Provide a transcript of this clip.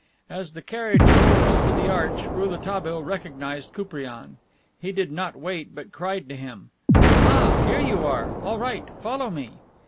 As the carriage rolled under the arch Rouletabille recognized Koupriane. He did not wait, but cried to him, "Ah, here you are. All right; follow me."